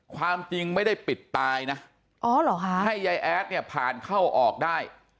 ความจริงไม่ได้ปิดตายนะให้ยายแอดเนี่ยผ่านเข้าออกได้